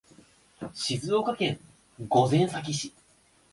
静岡県御前崎市